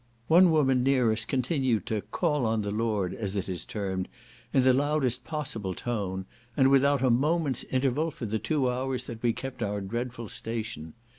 One woman near us continued to "call on the Lord," as it is termed, in the loudest possible tone, and without a moment's interval, for the two hours that we kept our dreadful station.